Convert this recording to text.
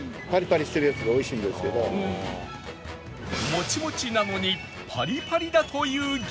もちもちなのにパリパリだという餃子